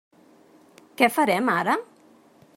Què farem ara?